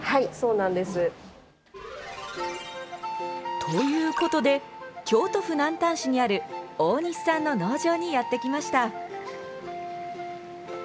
市場に出荷できないものもということで京都府南丹市にある大西さんの農場にやってきました。